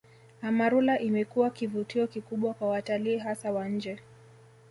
Amarula imekuwa kivutio kikubwa kwa watalii hasa wa nje